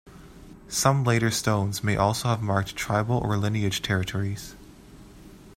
Some later stones may also have marked tribal or lineage territories.